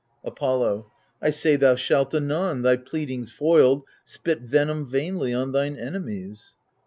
Apollo I say thou shalt anon, thy pleadings foiled. Spit venom vainly on thine enemies.